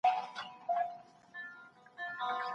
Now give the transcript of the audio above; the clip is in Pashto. الله تعالی هیڅوک بې برخې نه پرېږدي.